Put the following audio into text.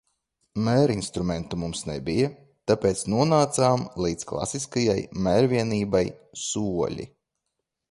Mērinstrumentu mums nebija, tāpēc nonācām līdz klasiskajai mērvienībai ‘soļi’.